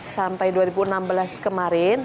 sampai dua ribu enam belas kemarin